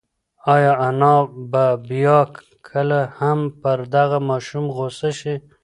ایا انا به بیا کله هم پر دغه ماشوم غوسه شي؟